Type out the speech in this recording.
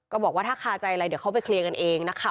บอกว่าถ้าคาใจอะไรเดี๋ยวเขาไปเคลียร์กันเองนะคะ